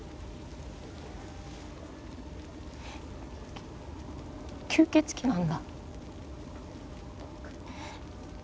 きゅ吸血鬼なんだ。